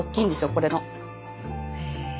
これの。へ。